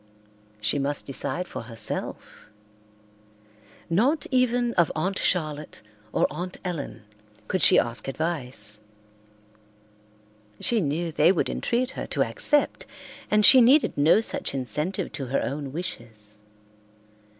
She must decide for herself. Not even of Aunt Charlotte or Aunt Ellen could she ask advice. She knew they would entreat her to accept, and she needed no such incentive to her own wishes.